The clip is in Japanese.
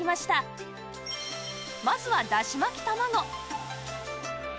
まずはだし巻きたまご